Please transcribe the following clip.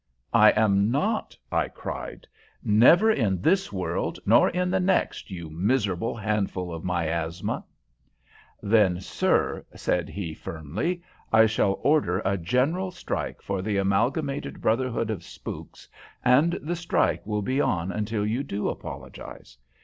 "I am not," I cried. "Never in this world nor in the next, you miserable handful of miasma!" "Then, sir," said he, firmly, "I shall order a general strike for the Amalgamated Brotherhood of Spooks, and the strike will be on until you do apologize.